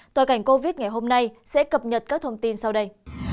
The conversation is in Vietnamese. toàn cảnh covid ngày hôm nay sẽ cập nhật các thông tin sau đây